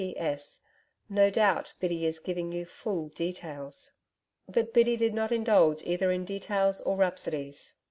P.S. No doubt, Biddy is giving you full details.' But Biddy did not indulge either in details or rhapsodies.